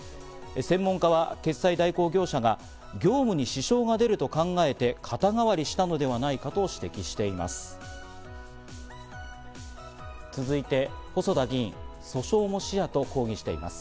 専門家は決済代行業者が業務に支障が出ると考えて肩代わりしたのではないかと指摘しています。